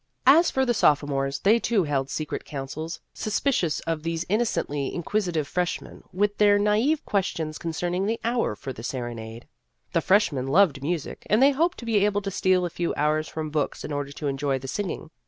As for the sophomores, they too held secret councils, suspicious of these inno cently inquisitive freshmen with their nai've questions concerning the hour for the serenade. The freshmen loved music, and they hoped to be able to steal a few hours from books in order to enjoy the singing.